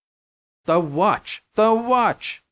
"The watch! the watch!"